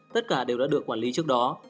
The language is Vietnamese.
tất cả đều đã được quản lý trước đó